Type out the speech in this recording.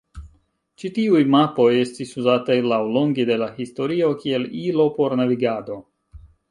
Ĉi tiuj mapoj estis uzataj laŭlonge de la historio kiel ilo por navigado.